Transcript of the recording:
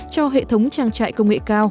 cho hệ thống trang trại công nghệ cao